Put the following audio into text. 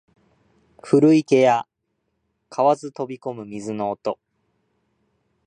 古池や蛙飛び込む水の音